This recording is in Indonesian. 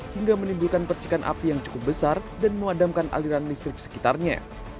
hingga menimbulkan percikan api yang cukup besar dan memadamkan aliran listrik sekitarnya